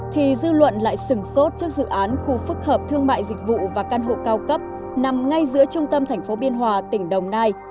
thì dư luận lại sừng sốt trước dự án khu phức hợp thương mại dịch vụ và căn hộ cao cấp nằm ngay giữa trung tâm thành phố biên hòa tỉnh đồng nai